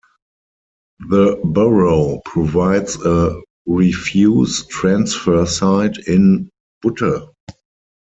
The Borough provides a refuse transfer site in Butte.